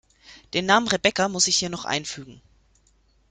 Den Namen Rebecca muss ich hier noch einfügen.